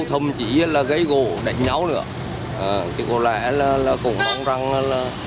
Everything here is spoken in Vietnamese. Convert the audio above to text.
thì có lẽ là cũng mong rằng là